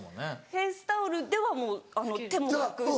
フェースタオルではもう手も拭くし。